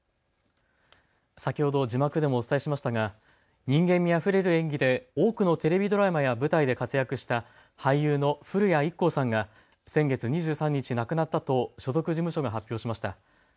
先ほど字幕でもお伝えしましたが人間味あふれる演技で多くのテレビドラマや舞台で活躍した俳優の古谷一行さんが先月２３日亡くなったと所属事務所が発表しました。